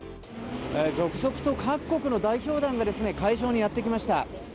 続々と各国の代表団が会場にやってきました。